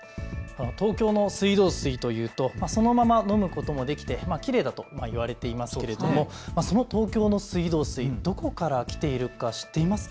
東京の水道水というとそのまま飲むこともできてきれいだと言われていますけれどもその東京の水道水、どこから来ているか知っていますか。